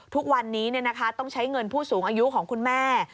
ทุกวันนี้ต้องใช้เงินผู้สูงอายุของคุณแม่